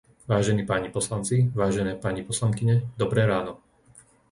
Vážení páni poslanci, vážené pani poslankyne, dobré ráno!